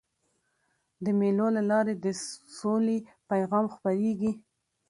د مېلو له لاري د سولي پیغام خپرېږي.